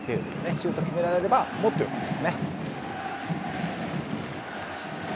シュートを決められれば、もっとよくなりますね。